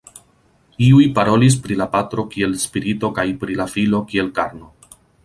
Iuj parolis pri la Patro kiel Spirito kaj pri la Filo kiel "karno".